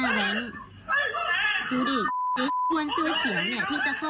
เอาหมาไปคี่ตรงเสาไฟฟ้าว่านฮุมบัตร